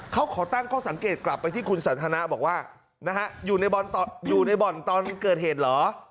เขาขอตั้งข้อสังเกตกลับไปที่คุณสันทนาบอกว่านะฮะอยู่ในบ่อนตอนเกิดเหตุเหรอ